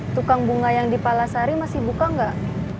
tukang bunga yang di palasari masih buka nggak